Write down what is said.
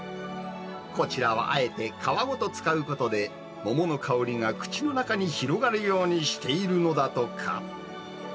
こちらはあえて皮ごと使うことで、桃の香りが口の中に広がるようにしているのだとか。